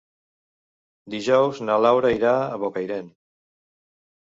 Dijous na Laura irà a Bocairent.